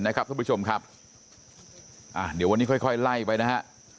นะครับสวพวกิษชมครับอ่าเดี๋ยววันนี้ค่อยค่อยไล่ไปนะฮะ